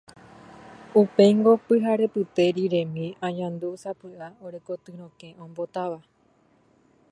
Upéingo pyharepyte riremi añandúsapy'a ore koty rokẽ ombotáva.